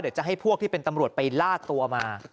จะให้พวกที่เป็นตำรวจไปล่าตัวมา